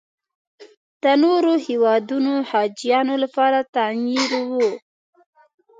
د نورو هېوادونو حاجیانو لپاره تعمیر و.